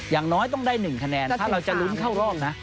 อย่างน้อยต้องได้๑คะแนนถ้าเราจะลุ้นเข้ารอบนะ